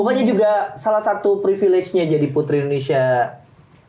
pokoknya juga salah satu privilege nya jadi putri indonesia lingkungan juga dapat